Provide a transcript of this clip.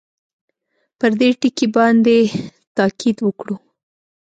پر دې ټکي باندې تاءکید وکړو.